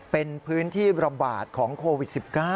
เป็นพื้นที่ระบาดของโควิด๑๙